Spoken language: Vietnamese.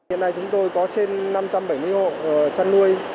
hiện nay chúng tôi có trên năm trăm bảy mươi hộ chăn nuôi